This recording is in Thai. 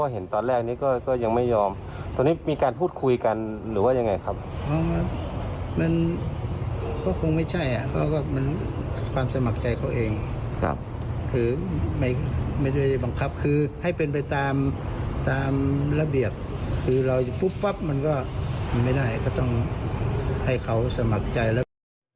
หรือเราจะปุ๊บปั๊บมันก็ไม่ได้ก็ต้องให้เขาสมัครใจแล้ว